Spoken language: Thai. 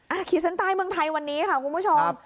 ขีดเส้นใต้เมืองไทยวันนี้ค่ะคุณผู้ชม